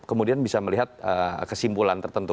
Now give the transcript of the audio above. kemudian bisa melihat kesimpulan tertentu